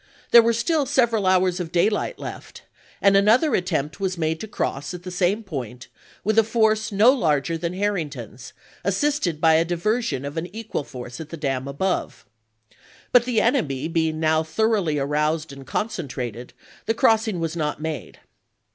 There were still several hours of daylight left, and another attempt was made to cross at the same point with a force no larger than Harrington's, assisted by a diversion of an equal force at the dam above. But the enemy being now thoroughly aroused and concentrated, the crossing was not made.